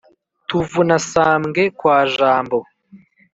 tuvuna sambwe kwa jambo !